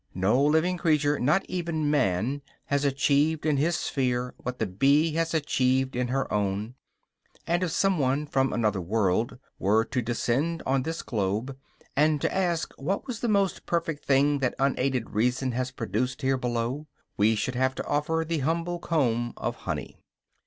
No living creature, not even man, has achieved in his sphere what the bee has achieved in her own; and if some one from another world were to descend on this globe and to ask what was the most perfect thing that unaided reason had produced here below, we should have to offer the humble comb of honey.